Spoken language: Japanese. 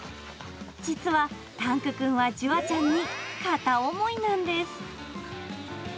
実は、タンクくんはジュアちゃんに片思いなんです。